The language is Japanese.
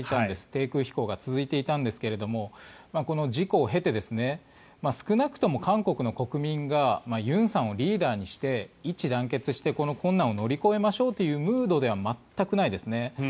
低空飛行が続いていたんですがこの事故を経て少なくとも韓国の国民が尹さんをリーダーにして一致団結してこの困難を乗り越えましょうというムードでは全くないですね。